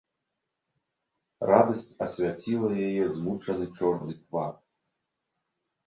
Радасць асвяціла яе змучаны чорны твар.